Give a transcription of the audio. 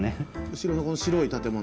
後ろのこの白い建物？